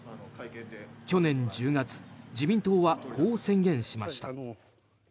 去年１０月自民党はこう宣言しました。